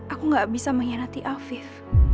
aku gak bisa mengkhianati afif